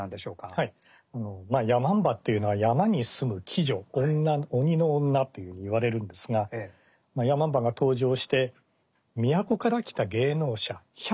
山姥っていうのは山に住む鬼女「鬼の女」というふうにいわれるんですが山姥が登場して都から来た芸能者百万山姥という人なんですね。